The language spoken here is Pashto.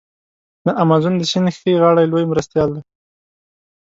د امازون د سیند ښي غاړی لوی مرستیال دی.